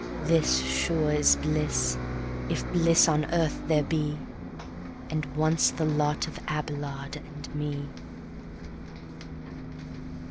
This, sure, is bliss (if bliss on earth there be) And once the lot of Abelard and me.